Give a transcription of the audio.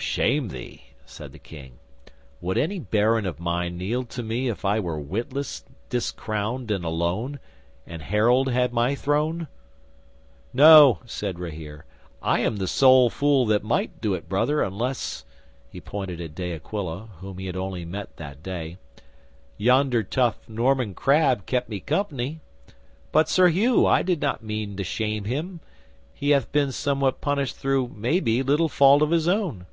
'"Shame thee?" said the King. "Would any baron of mine kneel to me if I were witless, discrowned, and alone, and Harold had my throne?" '"No," said Rahere. "I am the sole fool that might do it, Brother, unless" he pointed at De Aquila, whom he had only met that day "yonder tough Norman crab kept me company. But, Sir Hugh, I did not mean to shame him. He hath been somewhat punished through, maybe, little fault of his own."